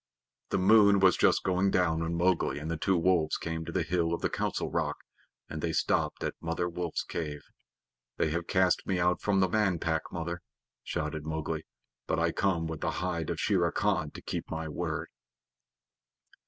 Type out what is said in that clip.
The moon was just going down when Mowgli and the two wolves came to the hill of the Council Rock, and they stopped at Mother Wolf's cave. "They have cast me out from the Man Pack, Mother," shouted Mowgli, "but I come with the hide of Shere Khan to keep my word."